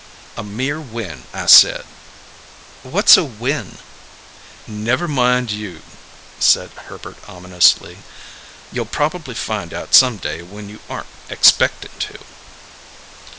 "A mere whin, I said!" "What's a whin?" "Never you mind," said Herbert ominously. "You'll proba'ly find out some day when you aren't expectin' to!"